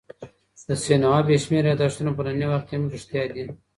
د سینوهه بې شمېره یاداښتونه په ننني وخت کي هم رښتیا دي.